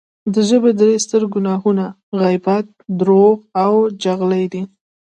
د ژبې درې ستر ګناهونه غیبت، درواغ او چغلي دی